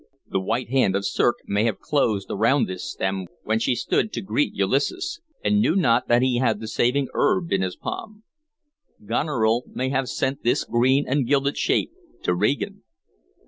The white hand of Circe may have closed around this stem when she stood to greet Ulysses, and knew not that he had the saving herb in his palm. Goneril may have sent this green and gilded shape to Regan.